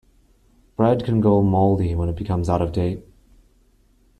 Bread can go moldy when it becomes out of date.